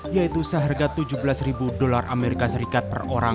yaitu seharga tujuh belas ribu dolar amerika serikat per orang